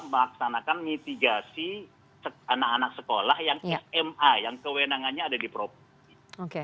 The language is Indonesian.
melaksanakan mitigasi anak anak sekolah yang sma yang kewenangannya ada di provinsi